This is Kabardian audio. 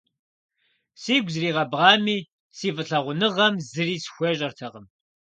Сигу зригъэбгъами, си фӏылъагъуныгъэм зыри схуещӏэртэкъым.